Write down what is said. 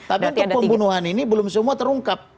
tapi untuk pembunuhan ini belum semua terungkap